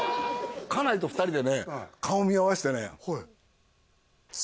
家内と２人でね顔見合わせてね